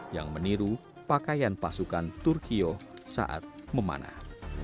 yang meniru pakaian pasukan turkio saat memanah